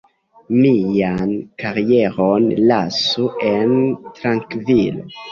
Mian karieron lasu en trankvilo.